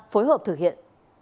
phối hợp thực hiện